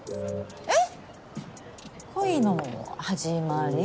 えっ恋の始まり？